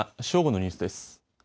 正午のニュースです。